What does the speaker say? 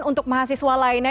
untuk mahasiswa lainnya